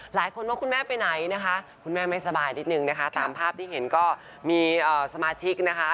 หลายคนว่าคุณแม่ไปไหนนะคะคุณแม่ไม่สบายนิดนึงนะคะตามภาพที่เห็นก็มีสมาชิกนะคะ